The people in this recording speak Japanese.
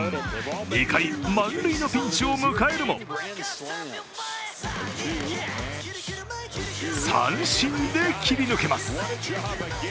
２回、満塁のピンチを迎えるも三振で切り抜けます。